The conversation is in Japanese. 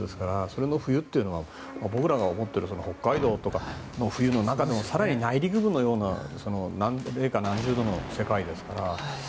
それの冬というのは僕らが思っている北海道とかの冬の中でも更に内陸部のような世界ですから。